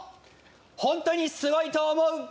ホントにすごいと思う。